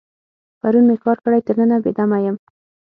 پرون مې کار کړی، تر ننه بې دمه یم.